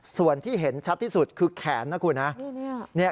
ส่วนที่เห็นชัดที่สุดคือแขนนะคุณนะ